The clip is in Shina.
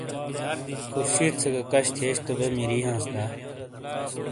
خورشید سے گہ کَش تھِئیش تو بے مِری ہانس دا۔